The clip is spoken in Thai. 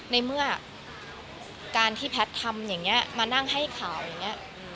ในเมื่อการที่แพทย์ทำอย่างนี้มานั่งให้ข่าวอย่างนี้